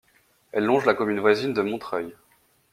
Elle longe la commune voisine de Montreuil.